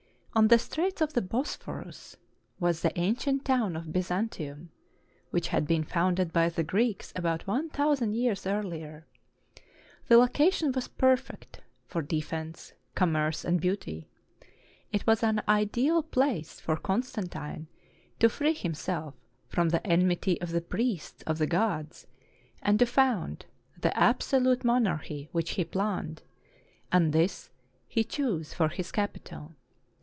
On the Straits of the Bosphorus was the ancient town of Byzantium, which had been founded by the Greeks about one thousand years earlier. The location was perfect for de fense, commerce, and beauty; it was an ideal place for Con stantine to free himself from the enmity of the priests of the gods and to found the absolute monarchy which he planned; and this he chose for his capital.